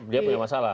dia punya masalah